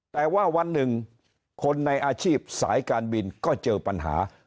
แต่ว่าวันหนึ่งคนในอาชีพสายการบินก็เจอปัญหา